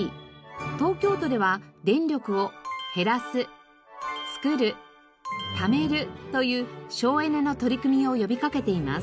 東京都では電力を「へらす」「つくる」「ためる」という省エネの取り組みを呼び掛けています。